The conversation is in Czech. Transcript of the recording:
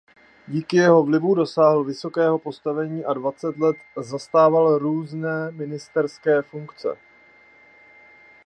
Díky jeho vlivu dosáhl vysokého postavení a dvacet let zastával různé ministerské funkce.